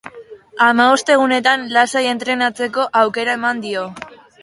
Hamabost egunetan lasai entrenatzeko aukera eman dio.